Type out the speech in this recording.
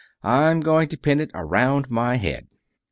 I'm going to pin it around my head.'"